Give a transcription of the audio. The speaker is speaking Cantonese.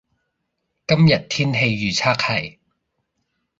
今日天氣預測係